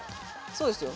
そうですよ。